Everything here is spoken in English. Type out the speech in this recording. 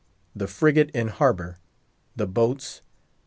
THE FRIGATE IN HARBOUR.—THE BOATS.